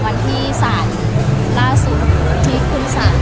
วันที่สานล่าสุทธิ์ที่คุณสาน